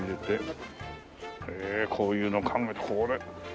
こういうの考えてこれ。